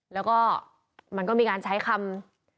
แล้วก็มันก็มีการใช้คำ